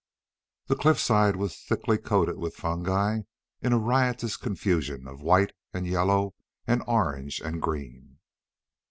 The cliffside was thickly coated with fungi in a riotous confusion of white and yellow and orange and green.